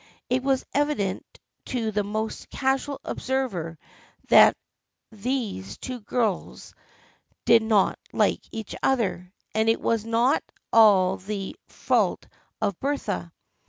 It was evident to the most casual observer that these two girls did not like each other. And it was not all the fault of Bertha.